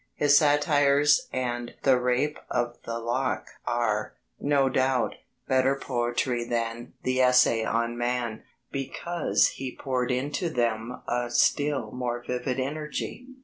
His satires and The Rape of the Lock are, no doubt, better poetry than the Essay on Man, because he poured into them a still more vivid energy.